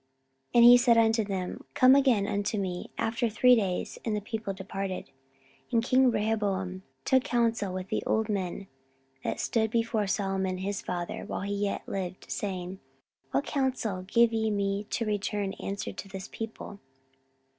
14:010:005 And he said unto them, Come again unto me after three days. And the people departed. 14:010:006 And king Rehoboam took counsel with the old men that had stood before Solomon his father while he yet lived, saying, What counsel give ye me to return answer to this people?